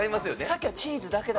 さっきはチーズだけ。